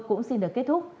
cũng xin được kết thúc